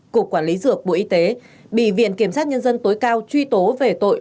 cục quản lý dược bộ y tế bị viện kiểm sát nhân dân tối cao truy tố về tội